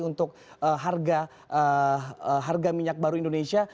untuk harga minyak baru indonesia